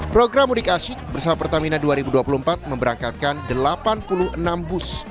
program mudik asyik bersama pertamina dua ribu dua puluh empat memberangkatkan delapan puluh enam bus